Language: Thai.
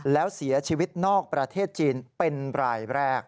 แล้วเสียชีวิตนอกประเทศจีนเป็นรายแรก